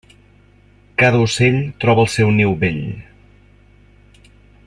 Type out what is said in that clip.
Cada ocell troba el seu niu bell.